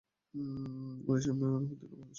আরিশেমের প্রতি তোমার বিশ্বাস দৃঢ়।